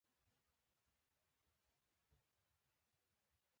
هلته په رسېدو مې شاوخوا ډېر وکتل.